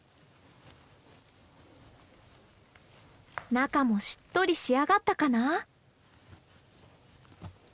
中もしっとり仕上がったかな？